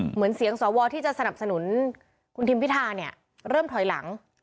เหมือนเสียงสวที่จะสนับสนุนคุณทิมพิธาเนี่ยเริ่มถอยหลัง